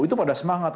itu pada semangat